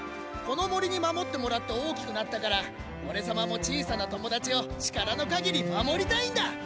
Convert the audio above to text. この森に守ってもらって大きくなったからおれ様も小さな友達を力の限り守りたいんだ！